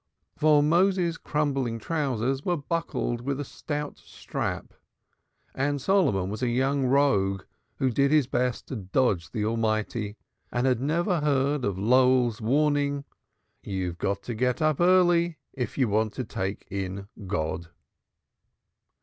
For Moses's crumbling trousers were buckled with a stout strap, and Solomon was a young rogue who did his best to dodge the Almighty, and had never heard of Lowell's warning, You've gut to git up airly, Ef you want to take in God.